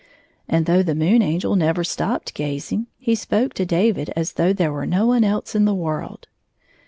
Arid though the Moon Angel never stopped gating, he spoke to David as though there were no one else in the world.